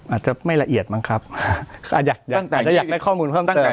อาจจะไม่ละเอียดบ้างครับอาจจะอยากได้ข้อมูลเพิ่มเติม